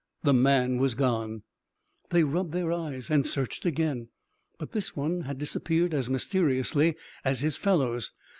The man was gone! They rubbed their eyes, and searched again. But this one had disappeared as mysteriously as his fellows.